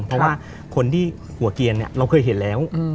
เพราะว่าคนที่หัวเกียรเราเคยเห็นแล้ว